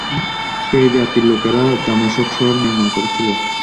সেই জাতির লোকেরা দামেশক শহর নির্মাণ করেছিল।